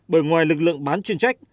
bởi ngoài lực lượng bán chuyên trách